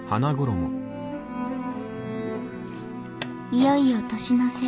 いよいよ年の瀬。